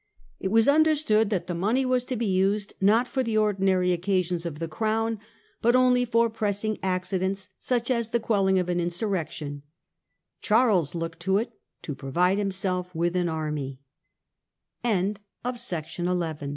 It was under stood that the money was to be used, not for the ordinary occasions of the Crown, but only for pressing accidents, such as the quelling of an insurrection. Charles looked to it to provide himself with an army.